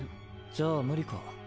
じゃあ無理か。